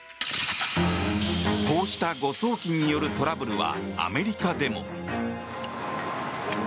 こうした誤送金によるトラブルはアメリカでも。